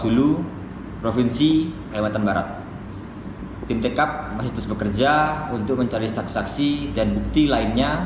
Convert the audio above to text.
hulu provinsi kewatan barat tim tekap masih bekerja untuk mencari saksi dan bukti lainnya